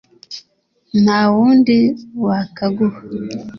nta wundi wakaguha